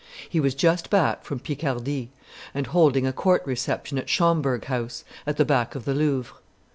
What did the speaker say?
He was just back from Picardy, and holding a court reception at Schomberg House, at the back of the Louvre.